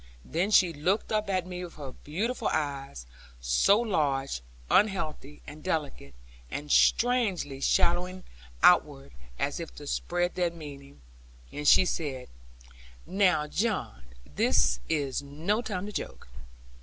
Then she looked up at me with her beautiful eyes, so large, unhealthy and delicate, and strangely shadowing outward, as if to spread their meaning; and she said, 'Now, John, this is no time to joke.